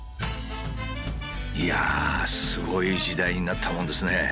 いやあすごい時代になったもんですね。